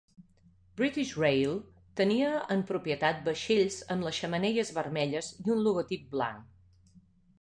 British Rail tenia en propietat vaixells amb les xemeneies vermelles i un logotip blanc.